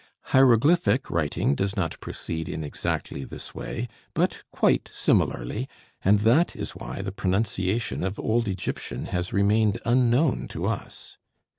Hieroglyphic writing does not proceed in exactly this way, but quite similarly, and that is why the pronunciation of old Egyptian has remained unknown to us.